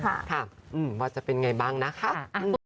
ใช่ค่ะค่ะว่าจะเป็นอย่างไรบ้างนะครับอ่า